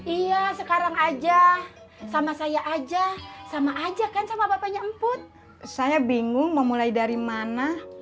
iya sekarang aja sama saya aja sama aja kan sama bapaknya emput saya bingung mau mulai dari mana